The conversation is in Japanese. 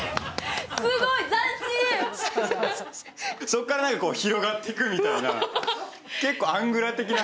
そこから何か広がっていくみたいな。